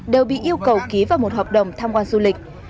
đều bị yêu cầu ký vào một hợp đồng tham quan du lịch